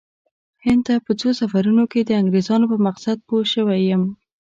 هند ته په څو سفرونو کې د انګریزانو په مقصد پوه شوی یم.